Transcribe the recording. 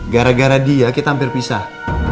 karena dia kita hampir pisah